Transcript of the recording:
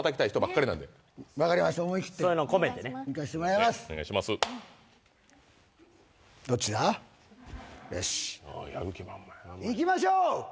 いきましょう！